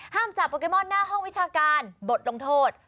จับโปเกมอนหน้าห้องวิชาการบทลงโทษ